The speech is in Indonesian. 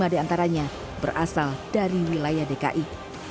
dua puluh lima di antaranya berasal dari wilayah dki